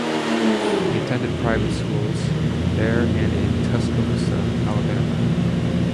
He attended private schools there and in Tuscaloosa, Alabama.